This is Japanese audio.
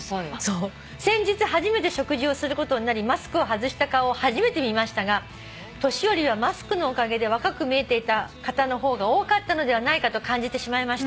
「先日初めて食事をすることになりマスクを外した顔を初めて見ましたが年寄りはマスクのおかげで若く見えていた方の方が多かったのではないかと感じてしまいました」